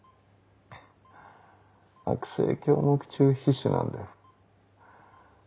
悪性胸膜中皮腫なんだよ。